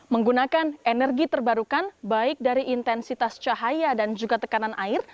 menggunakan energi terbarukan baik dari intensitas cahaya dan juga tekanan air